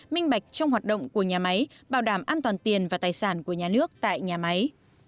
minh bạch trong hoạt động của nhà máy bảo đảm an toàn tiền và tài sản của nhà nước tại nhà máy